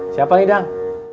siapa nih dang